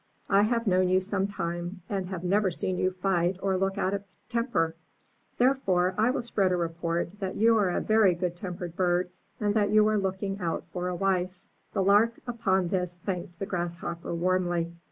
I have known you some time, and have never seen you fight or look out of temper; therefore I will spread a report that you are a very good tempered bird, and that you are looking out for a wife." The Lark upon this thanked the Grasshopper warmly.